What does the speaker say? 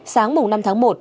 sáng năm tháng một